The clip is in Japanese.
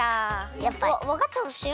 やっぱり！わわかってましたよ。